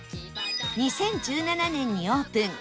２０１７年にオープン